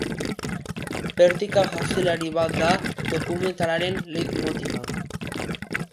Pertika jauzilari bat da dokumentalaren leitmotiva.